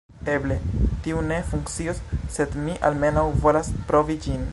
Eble tiu ne funkcios sed mi almenaŭ volas provi ĝin